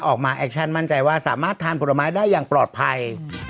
แอคชั่นมั่นใจว่าสามารถทานผลไม้ได้อย่างปลอดภัย